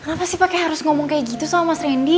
kenapa pak kai harus ngomong gitu sama mus rendy